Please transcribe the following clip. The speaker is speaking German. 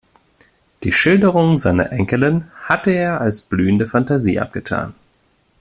Die Schilderungen seiner Enkelin hatte er als blühende Fantasie abgetan.